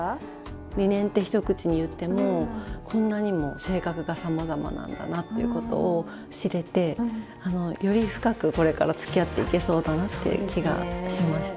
リネンって一口に言ってもこんなにも性格がさまざまなんだなっていうことを知れてより深くこれからつきあっていけそうだなっていう気がしました。